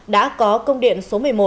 đã có công điện số một mươi một